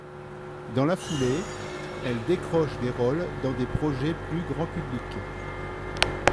Dans la foulée, elle décroche des rôles dans des projets plus grand public.